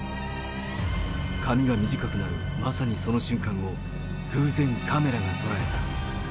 髪が短くなるまさにその瞬間を偶然、カメラが捉えた。